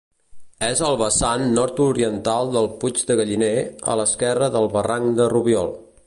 És al vessant nord-oriental del Puig de Galliner, a l'esquerra del barranc de Rubiol.